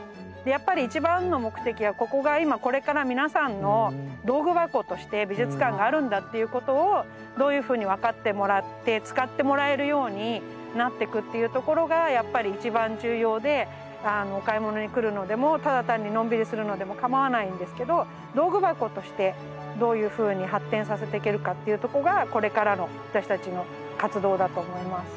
やっぱり一番の目的はここが今これから皆さんの道具箱として美術館があるんだっていうことをどういうふうに分かってもらって使ってもらえるようになってくというところがやっぱり一番重要でお買い物に来るのでもただ単にのんびりするのでもかまわないんですけど道具箱としてどういうふうに発展させてけるかというとこがこれからの私たちの活動だと思います。